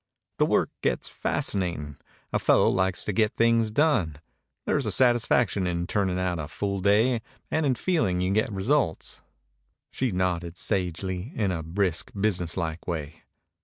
"The work gets fascinating. A fellow likes to get things done. There's a satisfaction in turning out a full day and in feeling you get results." She nodded sagely, in a brisk, business like way.